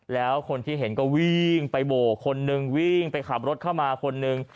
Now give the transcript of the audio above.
แล้วคนที่เห็นก็วิ่งไปโบกคนนึงวิ่งไปขับรถเข้ามาคนหนึ่ง